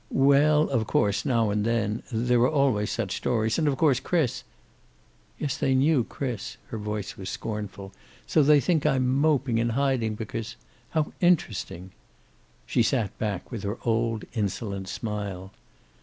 "Well, of course now and then there are always such stories. And of course Chris " "Yes, they knew Chris." Her voice was scornful. "So they think I'm moping and hiding because How interesting!" She sat back, with her old insolent smile.